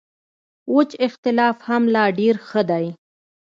وچ اختلاف هم لا ډېر ښه دی.